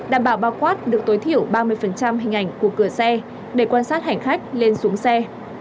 đảm bảo bao quát được tối thiểu ba mươi hình ảnh của cửa xe để quan sát hành khách lên xuống xe